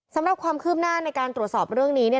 สำหรับความคืบหน้าในการตรวจสอบเรื่องนี้เนี่ย